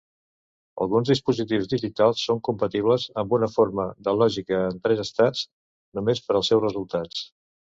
Alguns dispositius digitals són compatibles amb una forma de lògica en tres estats només per als seus resultats.